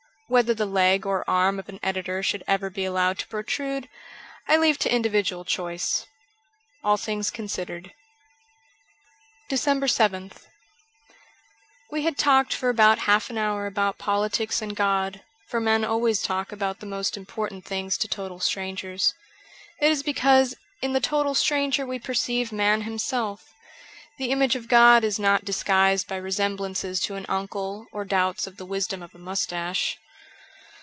Whether the leg or arm of an editor should ever be allowed to pro trude I leave to individual choice. 'Jll Things Considered.' 378 DECEMBER yth WE had talked for about half an hour about politics and God ; for men always talk about the most important things to total strangers. It is because in the total stranger we perceive man himself ; the image of God is not disguised by resemblances to an uncle or doubts of the wisdom of a moustache.